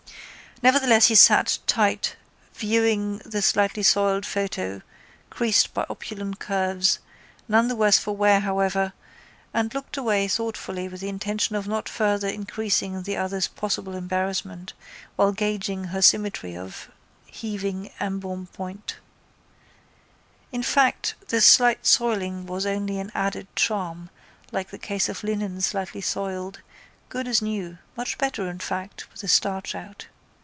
Nevertheless he sat tight just viewing the slightly soiled photo creased by opulent curves, none the worse for wear however, and looked away thoughtfully with the intention of not further increasing the other's possible embarrassment while gauging her symmetry of heaving embonpoint. In fact the slight soiling was only an added charm like the case of linen slightly soiled, good as new, much better in fact with the starch out.